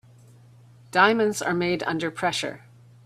Diamonds are made under pressure.